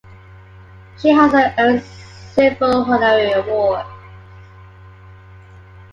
She has earned several honorary awards.